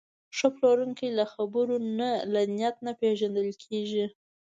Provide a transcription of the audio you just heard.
ښه پلورونکی له خبرو نه، له نیت نه پېژندل کېږي.